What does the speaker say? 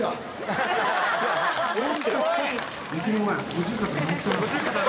五十肩治ったな。